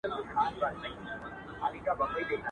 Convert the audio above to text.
څه توره تېره وه، څه انا ورسته وه.